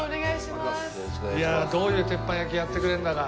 いやどういう鉄板焼きやってくれるんだか。